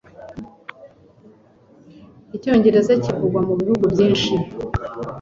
Icyongereza kivugwa mu bihugu byinshi.